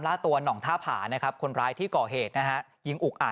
ปี๖๕วันเกิดปี๖๔ไปร่วมงานเช่นเดียวกัน